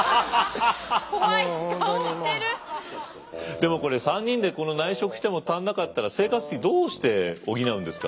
でもこれ３人でこの内職しても足んなかったら生活費どうして補うんですか？